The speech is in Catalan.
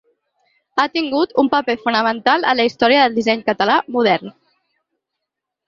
Ha tingut un paper fonamental en la història del disseny català modern.